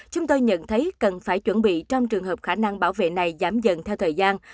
chúng tôi nhận thấy cần phải chuẩn bị trong trường hợp khả năng bảo vệ này giảm dần theo thời gian